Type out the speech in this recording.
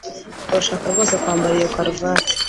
Urashaka rwose kwambara iyo karuvati